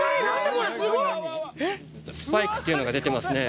スパイクというのが出てますね